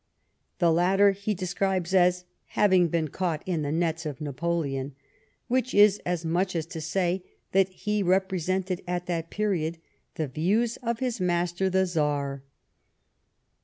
The latter he describes as "having been caught in the nets of Napoleon," which is as much as to say that he repre sented, at that period, the views of his master, the Czar.